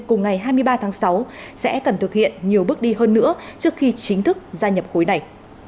cùng ngày hai mươi ba tháng sáu sẽ cần thực hiện nhiều bước đi hơn nữa trước khi chính thức gia nhập khối này